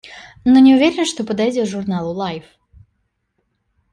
Но не уверен, что подойдет журналу «Лайф».